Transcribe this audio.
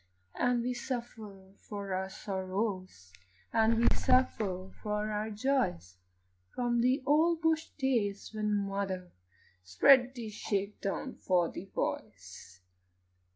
And we suffer for our sorrows, And we suffer for our joys, From the old bush days when mother Spread the shake down for the boys.